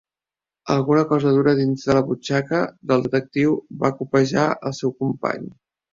Alguna cosa dura dins de la butxaca del detectiu va copejar el seu company.